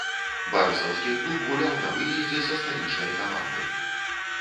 Барысаўскі клуб гуляў на выездзе са сталічнай камандай.